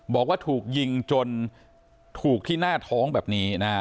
บอกว่าถูกยิงจนถูกที่หน้าท้องแบบนี้นะฮะ